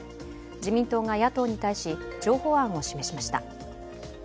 自民党が野党に対し、譲歩案を示しました。